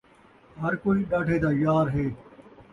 ہر کئی ݙاڈھے دا یار ہے